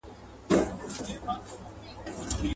پرېږده ستا د تورو ګڼو وریځو د سیلیو زور.